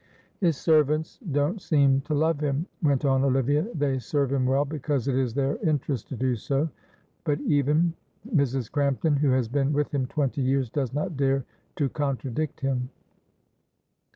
"His servants don't seem to love him," went on Olivia. "They serve him well, because it is their interest to do so, but even Mrs. Crampton, who has been with him twenty years, does not dare to contradict him."